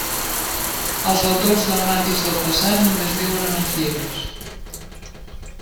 Els autors dramàtics del passat només viuen en els llibres.